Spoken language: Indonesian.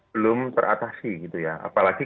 belum teratasi gitu ya apalagi